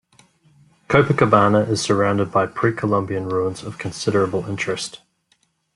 Copacabana is surrounded by pre-Columbian ruins of considerable interest.